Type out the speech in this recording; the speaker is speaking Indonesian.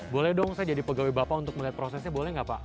boleh dong saya jadi pegawai bapak untuk melihat prosesnya boleh nggak pak